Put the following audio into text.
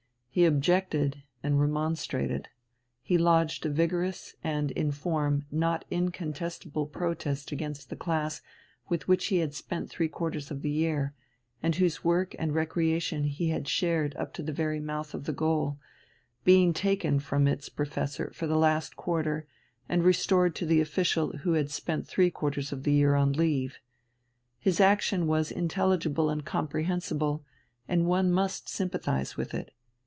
He objected and remonstrated; he lodged a vigorous and, in form, not incontestable protest against the class with which he had spent three quarters of the year, and whose work and recreation he had shared up to the very mouth of the goal, being taken from its professor for the last quarter and restored to the official who had spent three quarters of the year on leave. His action was intelligible and comprehensible, and one must sympathize with it.